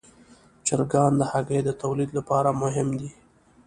چرګان د هګیو د تولید لپاره مهم دي.